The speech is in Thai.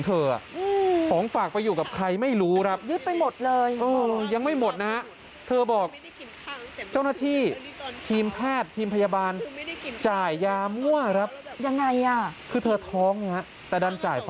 เขาเอาที่ฉีดในห้องน้ำให้ดูบอกมีขนอะไรก็ไม่รู้ด้วย